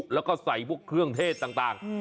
แล้วก็ใส่พวกเครื่องเทศต่าง